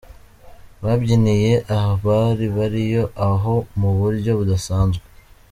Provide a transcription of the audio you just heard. Babyiniye abari bario aho mu buryo budasanzwe.